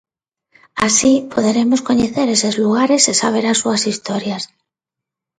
Así, poderemos coñecer eses lugares e saber as súas historias.